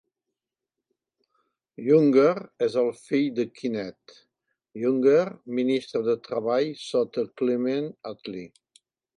Younger és el fill de Kenneth Younger, ministre de Treball sota Clement Attlee.